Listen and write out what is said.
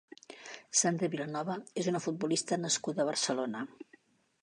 Sandra Vilanova és una futbolista nascuda a Barcelona.